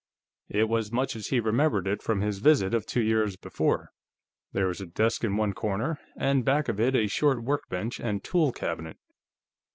It was much as he remembered it from his visit of two years before. There was a desk in one corner, and back of it a short workbench and tool cabinet.